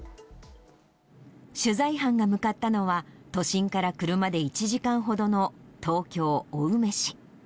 取材班が向かったのは、都心から車で１時間ほどの東京・青梅市。